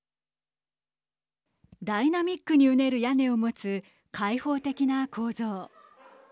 ダイナミックにうねる屋根を持つ開放的な構造。